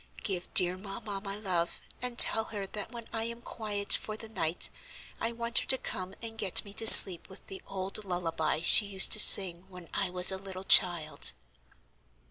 Give dear mamma my love, and tell her that when I am quiet for the night I want her to come and get me to sleep with the old lullaby she used to sing when I was a little child."